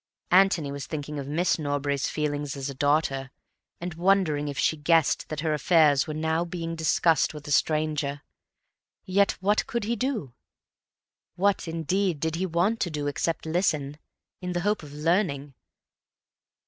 Antony was thinking of Miss Norbury's feelings as a daughter, and wondering if she guessed that her affairs were now being discussed with a stranger. Yet what could he do? What, indeed, did he want to do except listen, in the hope of learning?